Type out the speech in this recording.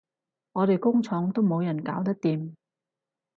我哋工廠都冇人搞得掂